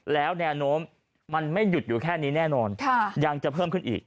แล้วแนวโน้มมันไม่หยุดอยู่แค่นี้แน่นอนยังจะเพิ่มขึ้นอีก